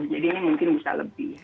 jadi ini mungkin bisa lebih